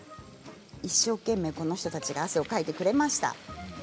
一生懸命この人たちが汗をかいてくれました。